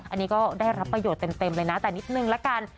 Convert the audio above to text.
อันนี้ก็ได้รับประโยชน์เต็มเลยนะแต่นิดนึงละกัน